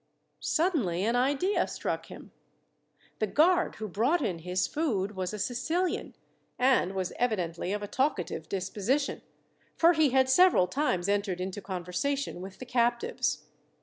Suddenly an idea struck him. The guard who brought in his food was a Sicilian, and was evidently of a talkative disposition, for he had several times entered into conversation with the captives.